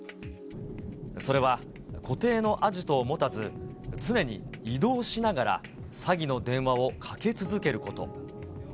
それは固定のアジトを持たず、常に移動しながら詐欺の電話をかけ続けること。